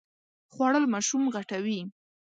خوړل ماشوم غټوي